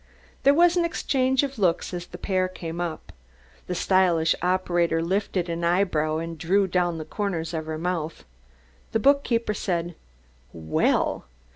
There was an exchange of looks as the pair came up. The stylish operator lifted an eyebrow and drew down the corners of her mouth. The bookkeeper said, "Well!"